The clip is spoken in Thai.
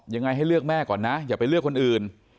ยังไงให้เลือกแม่ก่อนนะอย่าไปเลือกคนอื่น